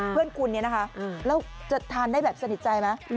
เพื่อนคุณเนี่ยนะคะแล้วจะทานได้แบบสนิทใจไหม